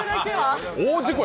大事故や！